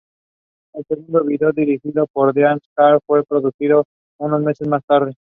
El segundo video, dirigido por Dean Karr, fue producido unos meses más tarde.